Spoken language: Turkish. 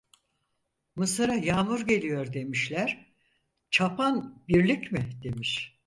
Mısıra yağmur geliyor demişler; "çapan birlik mi?" demiş.